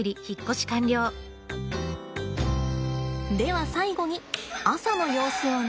では最後に朝の様子をね。